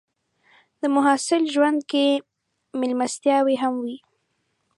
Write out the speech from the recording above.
د محصل ژوند کې مېلمستیاوې هم وي.